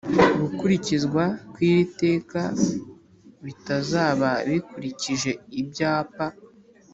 gukurikizwa kw'iri teka bitazaba bikurikije ibyapa